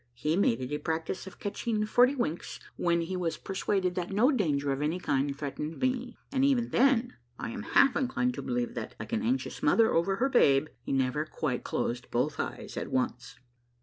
He made it a practice of catching forty winks when lie was persuaded that no danger of any kind threatened me, and A MARVELLOUS UNDERGROUND JOURNEY 17 even then, I am half inclined to believe that, like an anxious mother over her babe, he never quite closed both eyes at once.